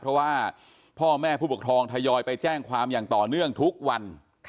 เพราะว่าพ่อแม่ผู้ปกครองทยอยไปแจ้งความอย่างต่อเนื่องทุกวัน